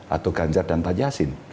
atau ganjar dan tajahsin